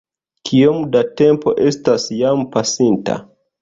Kiom da tempo estas jam pasinta?